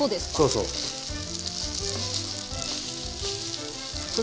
そうそう。